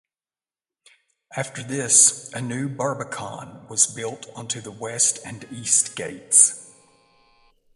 After this, a new barbican was built onto the west and east gates.